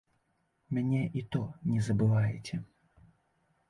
Мяне і то не забываеце.